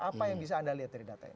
apa yang bisa anda lihat dari datanya